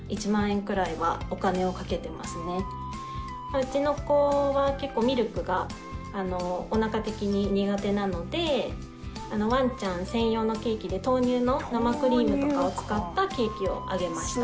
うちの子は結構ミルクがおなか的に苦手なのでワンちゃん専用のケーキで豆乳の生クリームとかを使ったケーキをあげました。